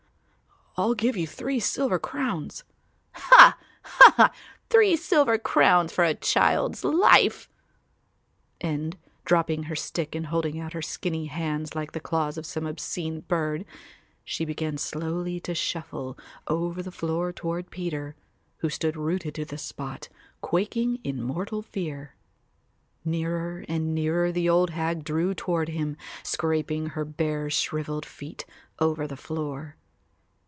"I'll give you three silver crowns." "Ha! ha! ha! three silver crowns for a child's life," and, dropping her stick and holding out her skinny hands like the claws of some obscene bird, she began slowly to shuffle over the floor toward Peter, who stood rooted to the spot quaking in mortal fear. Nearer and nearer the old hag drew toward him, scraping her bare shrivelled feet over the floor.